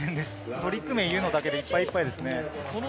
トリック名を言うのでいっぱいいっぱいです。